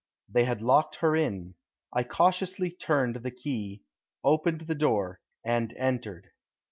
They had locked her in. I cautiously turned the key, opened the door, and entered.